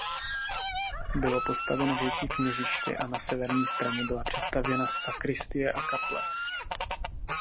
Bylo postaveno větší kněžiště a na severní straně byla přistavěna sakristie a kaple.